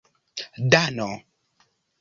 dano